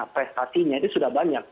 prestasinya itu sudah banyak